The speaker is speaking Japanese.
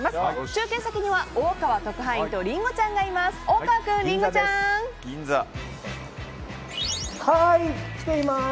中継先には大川特派員とりんごちゃんがいます。